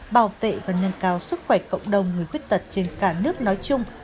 bảo vệ và nâng cao sức khỏe cộng đồng người khuyết tật trên cả nước nói chung